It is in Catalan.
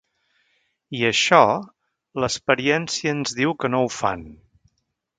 I això, l’experiència ens diu que no ho fan.